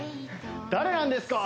誰なんですか？